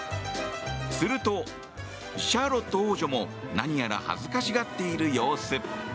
すると、シャーロット王女も何やら恥ずかしがっている様子。